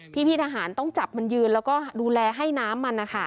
พี่ทหารต้องจับมันยืนแล้วก็ดูแลให้น้ำมันนะคะ